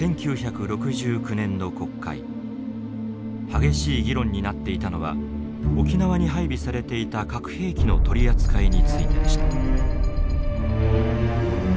激しい議論になっていたのは沖縄に配備されていた核兵器の取り扱いについてでした。